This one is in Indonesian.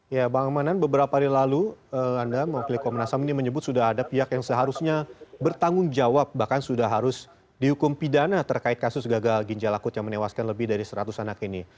ya bang manan beberapa hari lalu anda mewakili komnas ham ini menyebut sudah ada pihak yang seharusnya bertanggung jawab bahkan sudah harus dihukum pidana terkait kasus gagal ginjal akut yang menewaskan lebih dari seratus anak ini